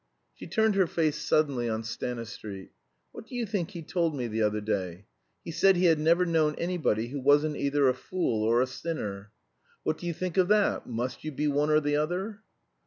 She turned her face suddenly on Stanistreet. "What do you think he told me the other day? He said he had never known anybody who wasn't either a fool or a sinner. What do you think of that? Must you be one or the other?"